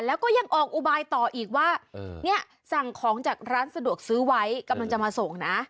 แล้วก็ยังออกอุบายต่ออีกว่าเนี่ยสั่งของจากร้านสะดวกซื้อไว้กำลังจะมาส่งนะ